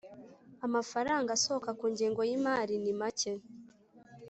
Amafaranga asohoka ku ngengo y imari ni make